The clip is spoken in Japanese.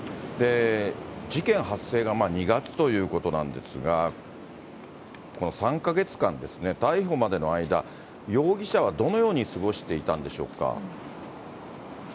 事件発生が２月ということなんですが、この３か月間、逮捕までの間、容疑者はどのように過ごしていたんでしょうか。